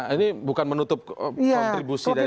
ini bukan menutup kontribusi dari pak amin